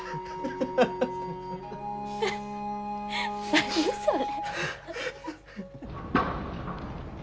何それ。